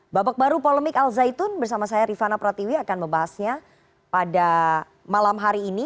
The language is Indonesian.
babak baru polemik al zaitun bersama saya rifana pratiwi akan membahasnya pada malam hari ini